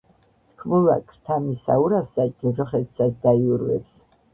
თქმულა, ქრთამი საურავსა ჯოჯოხეთსაც დაიურვებს.